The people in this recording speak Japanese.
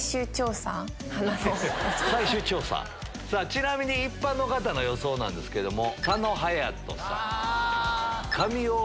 ちなみに一般の方の予想なんですけども。